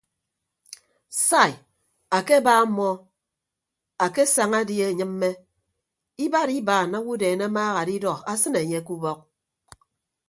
Sai akeba mọọ akesaña die anyịmme ibad ibaan owodeen amaaha adidọ asịne anye ke ubọk.